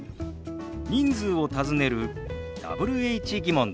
人数を尋ねるＷｈ−疑問です。